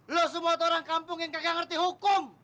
lo semua tuh orang kampung yang gak ngerti hukum